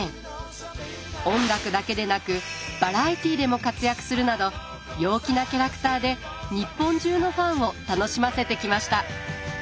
音楽だけでなくバラエティでも活躍するなど陽気なキャラクターで日本中のファンを楽しませてきました。